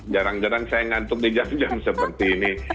jarang jarang saya ngantuk di jam jam seperti ini